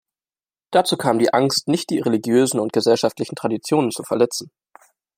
Dazu kam die Angst, nicht die religiösen und gesellschaftlichen Traditionen zu verletzen.